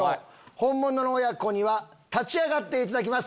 ホンモノの親子には立ち上がっていただきます。